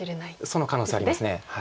その可能性あります。